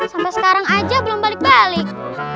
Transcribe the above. sampai sekarang aja belum balik balik